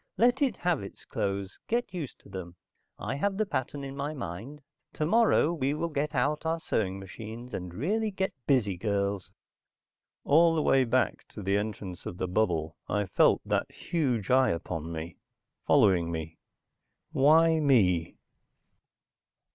"Let it have its clothes, get used to them. I have the pattern in my mind. Tomorrow we will get out our sewing machines, and really get busy, girls." All the way back to the entrance of the bubble, I felt that huge eye upon me, following me. Why me?